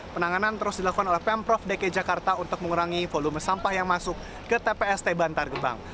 penanganan terus dilakukan oleh pemprov dki jakarta untuk mengurangi volume sampah yang masuk ke tpst bantar gebang